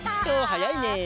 はやいね。